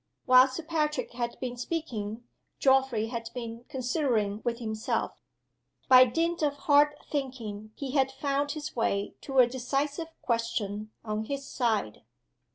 While Sir Patrick had been speaking, Geoffrey had been considering with himself. By dint of hard thinking he had found his way to a decisive question on his side.